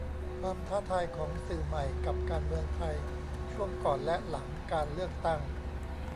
ความท้าทายของสื่อใหม่กับการเมืองไทยช่วงก่อนและหลังการเลือกตั้ง